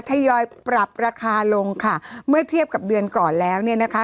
ทยอยปรับราคาลงค่ะเมื่อเทียบกับเดือนก่อนแล้วเนี่ยนะคะ